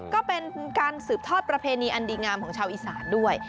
ก็เป็นการสืบทอดประเพณีอันดีงามของชาวอีสานด้วย